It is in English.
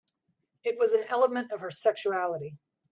It was an element of her sexuality.